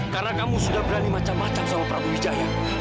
karena kamu sudah berani macam macam sama prabu wijaya